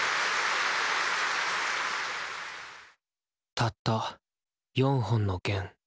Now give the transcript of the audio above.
たった４本の弦。